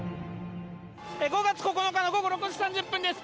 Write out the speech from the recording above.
５月９日の午後６時３０分です。